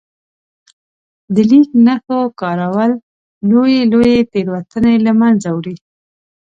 د لیک نښو کارول لويې لويې تېروتنې له منځه وړي.